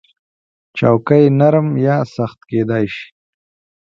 چوکۍ نرم یا سخت کېدای شي.